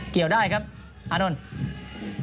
เกี่ยวได้ครับอานนท์